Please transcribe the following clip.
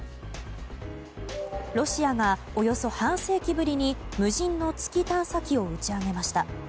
ロシアがおよそ半世紀ぶりに無人の月探査機を打ち上げました。